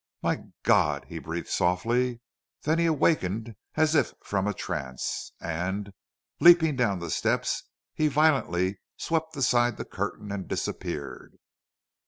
"My God!" he breathed softly. Then he awakened as if from a trance, and, leaping down the steps, he violently swept aside the curtain and disappeared.